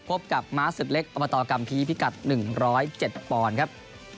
พบกับม้าศึกเล็กอบตกัมภีร์พิกัด๑๐๗ปอนด์ครับ